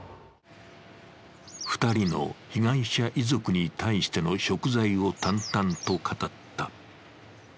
２人の被害者遺族に対してのしょく罪を淡々と語った。